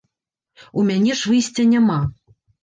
У мяне ж выйсця няма.